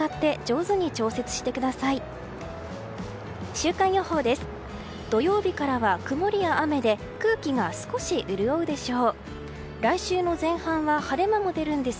週間予報です。